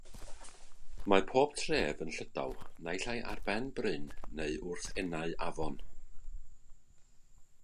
Mae pob tref yn Llydaw naill ai ar ben bryn neu wrth enau afon.